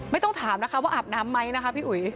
ไม่ต้องถามนะคะว่าอาบน้ำไหมนะคะพี่อุ๋ย